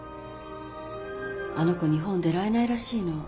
あの子日本出られないらしいの。